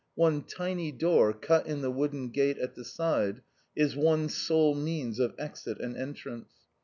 One tiny door, cut in the wooden gate at the side, is one's sole means of exit and entrance.